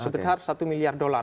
sebesar satu miliar dolar